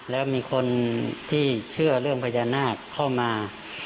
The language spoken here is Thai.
แล้วมีคนที่เชื่อเรื่องพญานาคเข้ามา